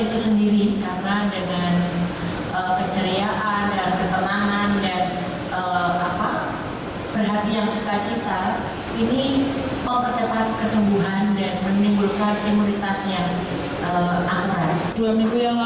dan ini adalah sebuah karya luar biasa